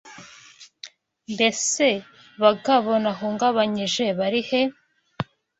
Mbese bagabo nahungabanyije barihe